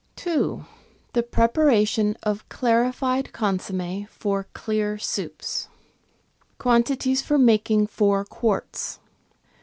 2— THE PREPARATION OF CLARIFIED CONSOMME FOR CLEAR SOUPS Qwantities for making four quarts.